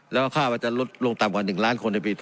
และค่าว่าจะลดลงต่ำกว่า๑ล้านคนในปี๒๐๖๔